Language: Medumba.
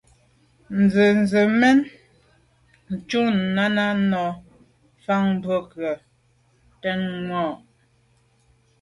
Ndzwə́ zə̄ mɛ̂n shûn Náná ná’ fáŋ bwɔ́ŋkə̂Ɂ tɛ̌n vwá’.